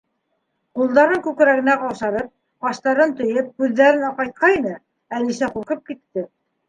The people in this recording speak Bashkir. Ҡулдарын күкрәгенә ҡаушырып, ҡаштарын төйөп, күҙҙәрен аҡайтҡайны, Әлисә ҡурҡып китте.